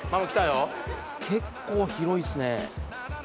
結構、広いですね。